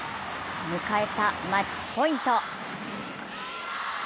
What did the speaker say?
迎えたマッチポイント。